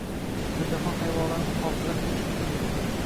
Butunjahon hayvonlarni muhofaza qilish kuni bugun.